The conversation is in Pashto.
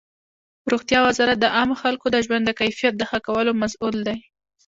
روغتیا وزارت د عامو خلکو د ژوند د کیفیت د ښه کولو مسؤل دی.